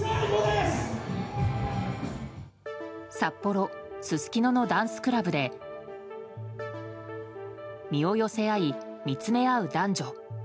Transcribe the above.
札幌・すすきののダンスクラブで身を寄せ合い、見つめ合う男女。